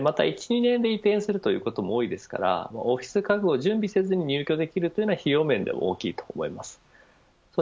また１、２年で移転するということも多いですからオフィス家具を準備せずに入居できるというのは費用面でも大きいと思います。